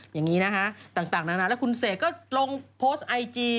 อย่างนี้นะคะต่างนานาแล้วคุณเสกก็ลงโพสต์ไอจี